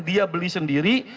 dia beli sendiri